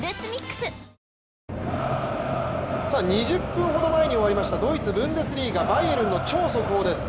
２０分ほど前に終わりましたドイツ・ブンデスリーガバイエルンの超速報です。